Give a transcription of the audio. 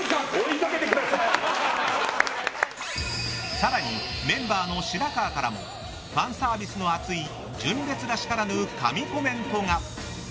更に、メンバーの白川からもファンサービスの熱い純烈らしからぬ神コメントが。